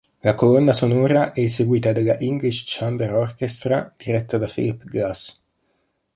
La colonna sonora è eseguita dalla English Chamber Orchestra diretta da Philip Glass.